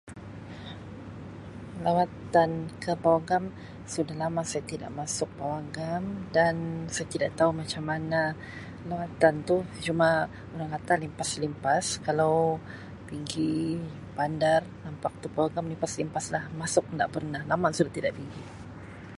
Lawatan ke pawagam sudah lama saya tidak masuk pawagam dan saya tidak tau macam mana lawatan tu cuma orang kata limpas-limpas kalau pigi bandar nampak tu pawagam limpas-limpas lah masuk nda pernah lama sudah tidak pigi.